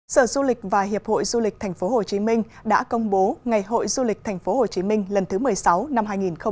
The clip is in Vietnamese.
sở du lịch và hiệp hội du lịch tp hcm đã công bố ngày hội du lịch tp hcm lần thứ một mươi sáu năm hai nghìn hai mươi